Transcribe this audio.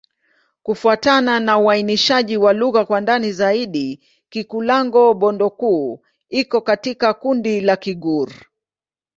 Kufuatana na uainishaji wa lugha kwa ndani zaidi, Kikulango-Bondoukou iko katika kundi la Kigur.